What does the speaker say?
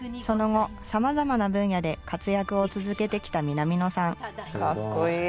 その後さまざまな分野で活躍を続けてきた南野さん。